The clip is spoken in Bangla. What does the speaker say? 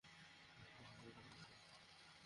প্ল্যান ডি হচ্ছে ভার্জিলের বগিগুলো।